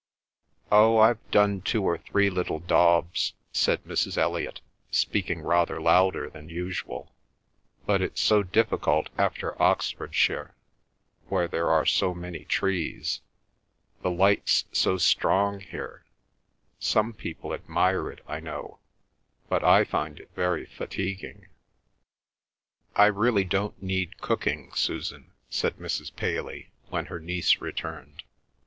"Oh, I've done two or three little daubs," said Mrs. Elliot, speaking rather louder than usual. "But it's so difficult after Oxfordshire, where there are so many trees. The light's so strong here. Some people admire it, I know, but I find it very fatiguing." "I really don't need cooking, Susan," said Mrs. Paley, when her niece returned.